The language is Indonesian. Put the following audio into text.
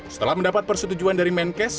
setelah mendapat persetujuan dari menkes